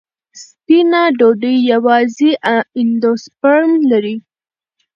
سپینه ډوډۍ یوازې اندوسپرم لري.